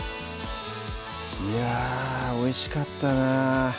いやぁおいしかったな